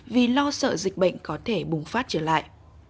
vì lo sợ dịch bệnh có thể bùng phát trở lại